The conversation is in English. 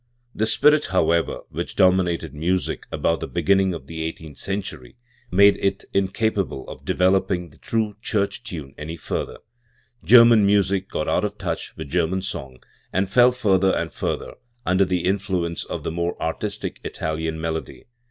The spirit, however, which dominated music about the beginning of the eighteenth century made it incapable of developing the true church time any further. German music got out of touch with German song, and fell further and further under the influence of the more '"artistic" Italian melody.